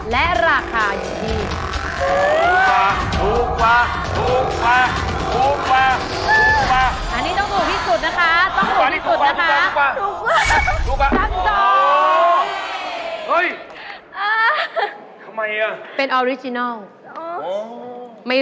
และราคาอยู่ที่